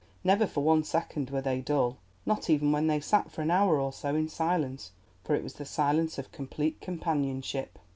Never for one second were they dull, not even when they sat for an hour or so in silence, for it was the silence of complete companionship.